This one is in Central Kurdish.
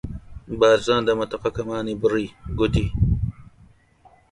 بارزان دەمەتەقەکەمانی بڕی، گوتی: